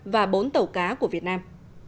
và bốn tàu cá của việt nam